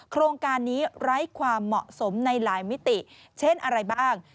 โครงการนี้ไร้ความเหมาะสมในหลายมิติเช่นอะไรบ้าง